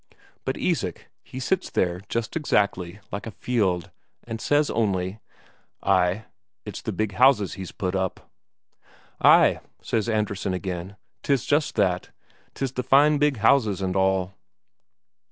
But Isak, he sits there just exactly like a fjeld, and says only: "Ay, it's the big houses he's put up." "Ay," says Andresen again, "'tis just that. 'Tis the fine big houses and all."